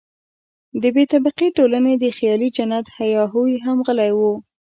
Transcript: د بې طبقې ټولنې د خیالي جنت هیا هوی هم غلی وو.